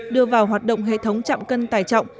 đưa vào hoạt động hệ thống chạm cân tài trọng